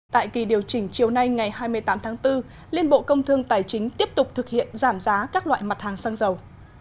tại kỳ điều chỉnh chiều nay ngày hai mươi tám tháng bốn liên bộ công thương tài chính tiếp tục thực hiện giảm giá các loại mặt hàng xăng dầu